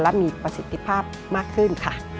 และมีประสิทธิภาพมากขึ้นค่ะ